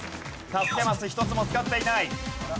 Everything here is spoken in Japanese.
助けマス１つも使っていない。